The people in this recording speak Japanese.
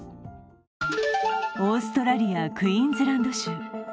オーストラリア・クイーンズランド州。